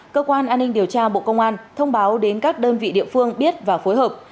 cơ quan an ninh điều tra bộ công an thông báo đến các đơn vị địa phương biết và phối hợp